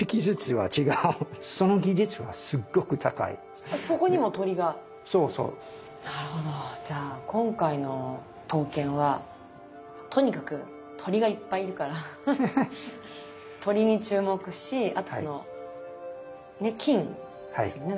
でもそれだけではなくてあの鐔じゃあ今回の刀剣はとにかく鳥がいっぱいいるから鳥に注目しあとその金ですよね。